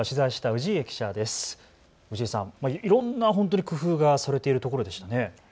氏家さん、いろんな本当に工夫がされているところでしたね。